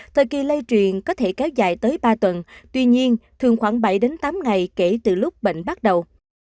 thời kỳ lây truyền có thể kéo dài tới ba tuần tuy nhiên thường khoảng bảy tám ngày kể từ lúc bệnh bắt đầu